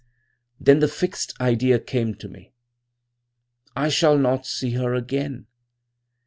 "Then the fixed idea came to me: I shall not see her again.